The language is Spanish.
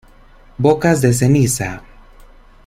Bocas de Ceniza.